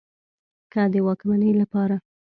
که د واکمنۍ له پاره